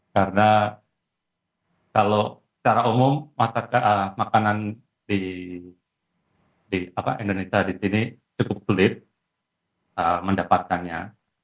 karena kalau secara umum makanan di indonesia di sini cukup kulit mendapatkannya